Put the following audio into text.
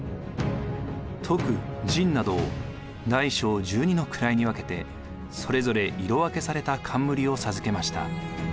「徳」「仁」などを大小１２の位に分けてそれぞれ色分けされた冠を授けました。